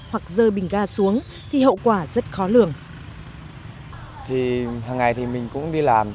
hoặc dơ bình ga xuống thì hậu quả rất khó lường